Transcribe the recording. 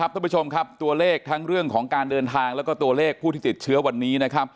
ทุกผู้ชมครับตัวเลขทั้งเรื่องของการเดินทางแล้วก็ตัวเลขผู้ที่ติดเชื้อวันนี้